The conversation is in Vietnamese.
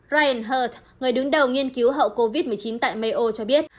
ryan her người đứng đầu nghiên cứu hậu covid một mươi chín tại mayo cho biết